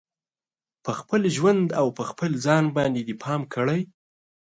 په خپل ژوند او په خپل ځان باندې دې پام کړي